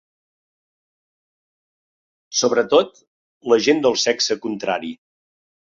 Sobretot la gent del sexe contrari.